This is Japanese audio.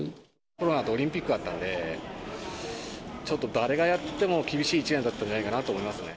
コロナとオリンピックがあったんで、ちょっと誰がやっても厳しい１年だったんじゃないかなと思いますね。